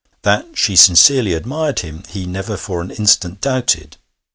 That she sincerely admired him he never for an instant doubted.